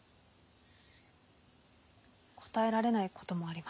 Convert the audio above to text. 答えられない事もあります。